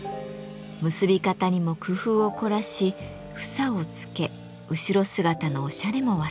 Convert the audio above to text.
結び方にも工夫を凝らし房をつけ後ろ姿のおしゃれも忘れません。